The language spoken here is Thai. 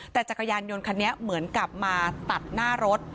แต่จักรยานยนต์คันนี้เหมือนกลับมาตัดหน้ารถ